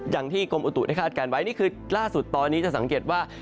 อย่างที่กรมอุตุได้คาดการณ์ไว้นี่คือล่าสุดตอนนี้จะสังเกตว่า